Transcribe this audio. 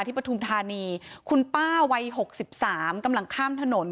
ที่ประธุมธานีคุณป้าวัยหกสิบสามกำลังข้ามถนน